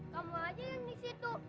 kamu aja yang disitu